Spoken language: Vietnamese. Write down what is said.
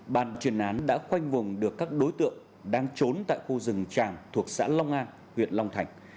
bàn chuyên án đã khoanh vùng được các đối tượng đang trốn tại khu rừng tràng thuộc xã long an huyện long thành